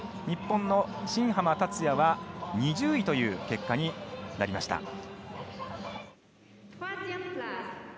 日本の新濱立也は２０位という結果になりました。